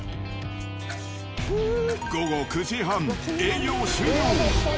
午後９時半、営業終了。